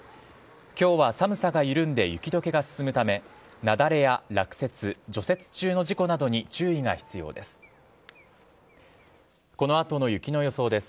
きょうは寒さが緩んで雪どけが進むため、雪崩や落雪、除雪中の事故などに注意が必要です。